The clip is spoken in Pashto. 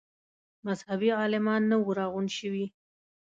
مذهبي عالمان نه وه راغونډ شوي.